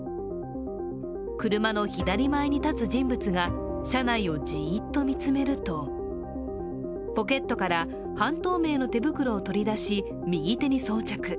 車の左前に立つ人物が車内じっと見つめると、ポケットから半透明の手袋を取り出し、右手に装着。